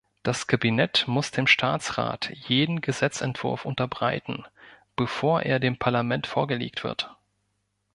Das Kabinett muss dem Staatsrat jeden Gesetzentwurf unterbreiten, bevor er dem Parlament vorgelegt wird.